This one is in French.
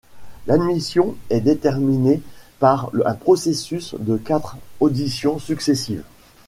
L'admission est déterminée par un processus de quatre auditions successives.